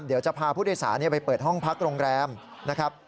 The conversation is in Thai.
เดี๋ยวจะพาผู้โดยสารไปเปิดห้องพักโรงแรมนะครับ